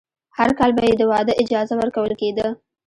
هر کال به یې د واده اجازه ورکول کېده.